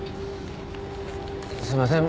すいません